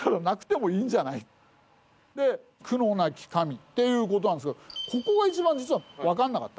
で「くのなき神」っていうことなんですけどここが一番実は分からなかった。